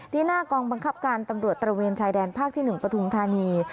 หน้ากองบังคับการตำรวจตระเวนชายแดนภาคที่๑ปฐุมธานี